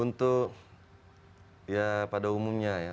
untuk ya pada umumnya ya